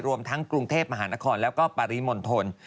รวมทั้งกรุงเทพมหานครแล้วก็ปริมณฑล